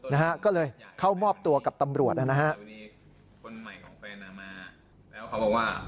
นะฮะก็เลยเข้ามอบตัวกับตำรวจนะฮะ